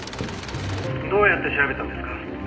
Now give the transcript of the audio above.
どうやって調べたんですか？